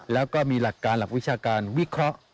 แล้วก็มีหลักการหลักวิชาการวิเคราะห์